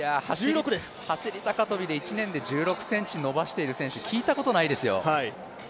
走高跳で１年で１６ｃｍ伸ばしている選手聞いたことないですよ。